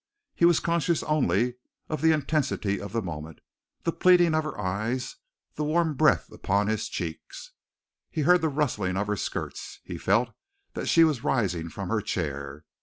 He was conscious only of the intensity of the moment, the pleading of her eyes, the warm breath upon his cheeks. He heard the rustling of her skirts. He felt that she was rising from her chair.